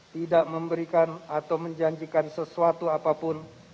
tidak memberikan atau menjanjikan sesuatu apapun